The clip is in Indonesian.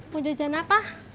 mau jajan apa